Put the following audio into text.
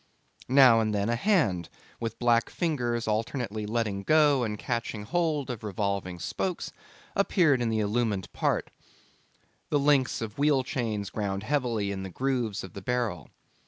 Now and then a hand, with black fingers alternately letting go and catching hold of revolving spokes, appeared in the illumined part; the links of wheel chains ground heavily in the grooves of the barrel.